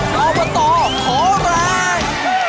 เรามาต่อขอร้าย